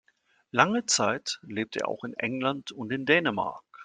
Lange Zeit lebte er auch in England und in Dänemark.